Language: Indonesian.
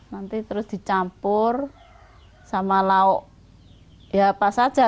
nanti terus dicampur sama lauk ya apa saja